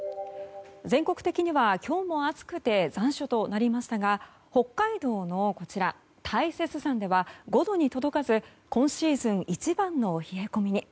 全国的には今日も暑くて残暑となりましたが北海道の大雪山では５度に届かず今シーズン一番の冷え込みに。